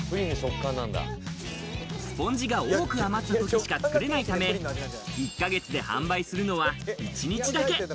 スポンジが多く余った時しかつくれないため、１ヶ月で販売するのは一日だけ。